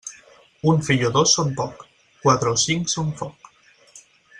Un fill o dos són poc; quatre o cinc són foc.